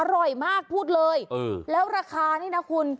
อร่อยมากพูดเลยแล้วราคานี่นะคุณ